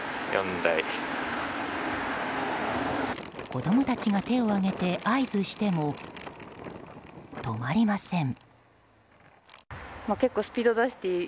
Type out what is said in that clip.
子供たちが手を上げて合図しても止まりません。